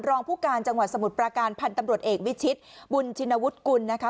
รองผู้การจังหวัดสมุทรปราการพันธุ์ตำรวจเอกวิชิตบุญชินวุฒิกุลนะคะ